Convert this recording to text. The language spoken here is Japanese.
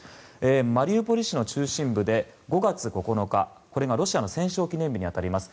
マリウポリ市の中心部で５月９日、これがロシアの戦勝記念日に当たります。